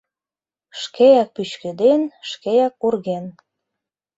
Шкеак пӱчкеден, шкеак урген.